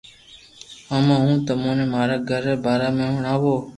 ھمو ھون تموني ماري گھر ري باري ۾ ھڻاوُ